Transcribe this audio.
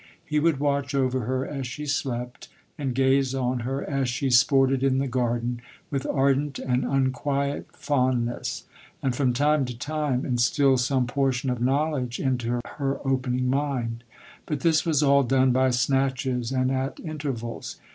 He would watch over her as she slept, and gaze on her as she sported in the garden, with ardent and unquiet fondness; and, from time to time, instil some portion of knowledge into her opening mind : but this was all done by snatches, and at inter vals.